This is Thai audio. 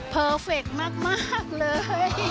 เพอร์เฟคมากเลย